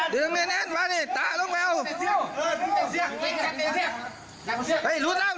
ลุกล่ะมันไหลแล้วมันไหลแล้ว